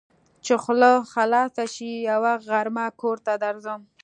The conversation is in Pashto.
چې خوله خلاصه شي؛ يوه غرمه کور ته درځم.